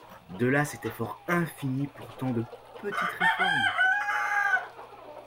De là cet effort infini pour tant de petites réformes.